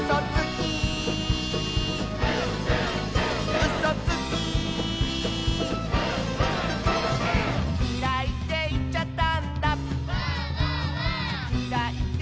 「きらいっていっちゃったんだ」